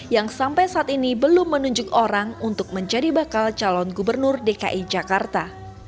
yang sampai saat ini belum menunjuk orang untuk menjadi bakal calon gubernur dki jakarta